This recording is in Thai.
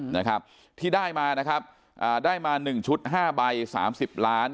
นะครับที่ได้มานะครับอ่าได้มาหนึ่งชุดห้าใบสามสิบล้าน